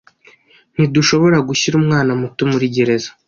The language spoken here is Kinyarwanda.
Ntidushobora gushyira umwana muto muri gereza.